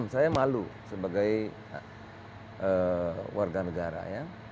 saya malu sebagai warga negara ya